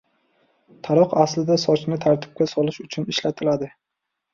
Taroq aslida sochni tartibga solish uchun ishlatiladi.